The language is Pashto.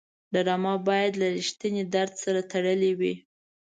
ډرامه باید له رښتینې درد سره تړلې وي